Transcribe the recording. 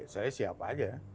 saya siap aja